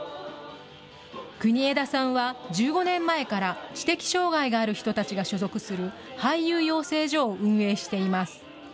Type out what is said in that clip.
国枝さんは１５年前から知的障害がある人たちが所属する俳優養成所を運営しています。